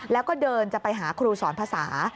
แล้วก็เดินจะไปหาครูสอนภาษา